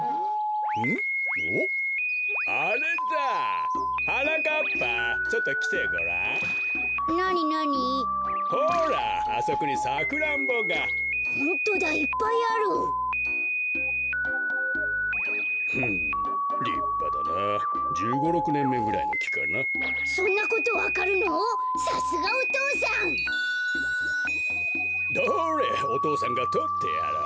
どれお父さんがとってやろう。